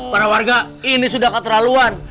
para warga ini sudah keterlaluan